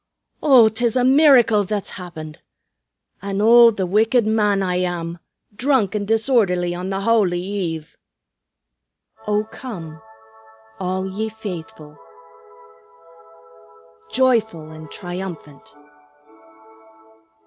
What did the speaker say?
Oh, 'tis a miracle that's happened! An' oh! The wicked man I am, drunk and disorderly on the Howly Eve!" "O come, all ye faithful, Joyful and triumphant!"